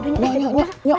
masih berhenti kita buka